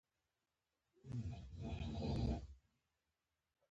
خاوره بېرته خپل امانت اخلي.